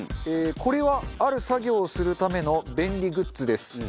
これはある作業をするための便利グッズです。